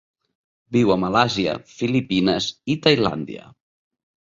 Viu a Malàisia, Filipines i Tailàndia.